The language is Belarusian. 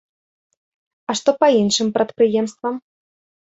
А што па іншым прадпрыемствам?